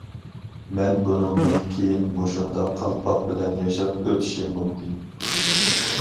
مەن بۇندىن كېيىن مۇشۇنداق قالپاق بىلەن ياشاپ ئۆتىشىم مۇمكىن.